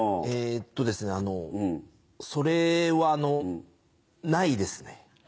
えーっとですね、それはあの、ないですね。